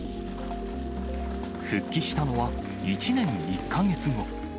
復帰したのは、１年１か月後。